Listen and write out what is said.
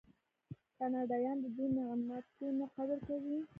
کاناډایان د دې نعمتونو قدر کوي.